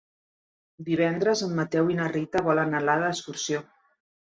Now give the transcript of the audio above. Divendres en Mateu i na Rita volen anar d'excursió.